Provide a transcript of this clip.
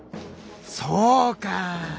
そうか！